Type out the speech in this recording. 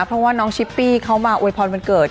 เพราะว่าน้องชิปปี้เขามาอวยพรวันเกิด